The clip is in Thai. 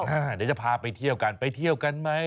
เดี๋ยวจะพาไปเที่ยวกันไปเที่ยวกันไหม